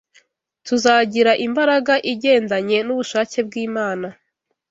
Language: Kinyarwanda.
tuzagira imbaraga igendanye n’ubushake bw’Imana